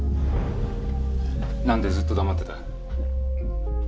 なんでずっと黙ってた？